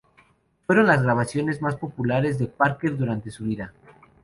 Fueron las grabaciones más populares de Parker durante su vida.